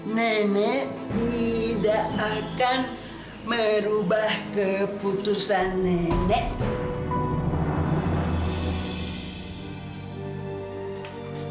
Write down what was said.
nenek tidak akan merubah keputusan nenek